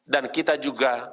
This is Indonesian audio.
dan kita juga